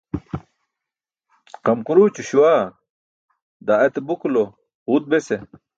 Qamquruućo śuwa, daa ete buku lo quut bese.